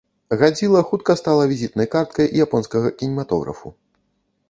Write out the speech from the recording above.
Гадзіла хутка стала візітнай карткай японскага кінематографу.